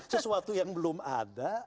sesuatu yang belum ada